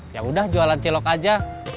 ya udah jualan celok aja